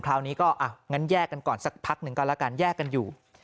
คราวนี้ก็อ่ะงั้นแยกกันก่อนสักพักหนึ่งก็แล้วกันแยกกันอยู่